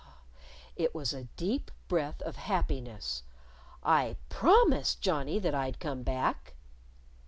It was a deep breath of happiness. "I promised Johnnie that I'd come back!"